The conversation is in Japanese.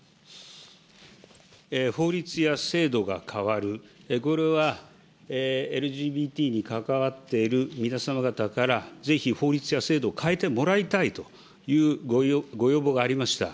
法律や制度が変わる、これはＬＧＢＴに関わっている皆様方から、ぜひ法律や制度を変えてもらいたいというご要望がありました。